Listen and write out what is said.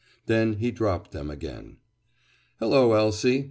Then he dropped them again. "Hello, Elsie!"